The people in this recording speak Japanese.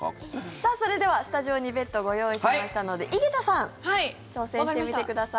さあ、それではスタジオにベッドをご用意しましたので井桁さん挑戦してみてください。